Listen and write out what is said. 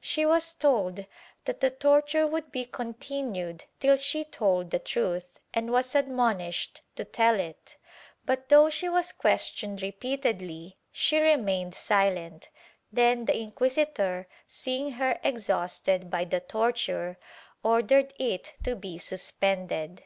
She was told that the torture would be continued till she told the truth and was admonished to tell it, but though she was questioned repeatedly she remained silent. Then the inquisitor, seeing her exhausted by the torture, ordered it to be suspended.